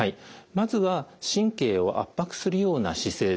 まずは神経を圧迫するような姿勢ですね